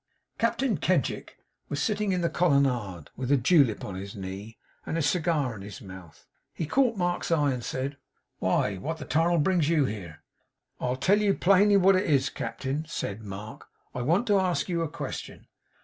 Captain Kedgick was sitting in the colonnade, with a julep on his knee, and a cigar in his mouth. He caught Mark's eye, and said: 'Why, what the 'Tarnal brings you here?' 'I'll tell you plainly what it is, Captain,' said Mark. 'I want to ask you a question.